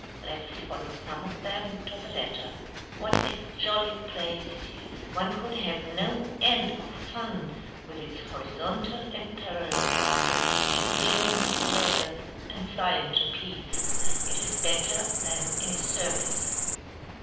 Let us follow some of them to the latter. What a jolly place it is! One could have no end of fun with its horizontal and parallel bars, its rings, ladders, and flying trapeze: it is better than a circus.